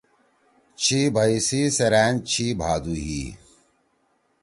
چھی بھئی سی سیرأن چھی بھادُو ہی۔